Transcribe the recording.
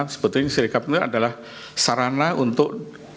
sebetulnya sirekap itu adalah sarana untuk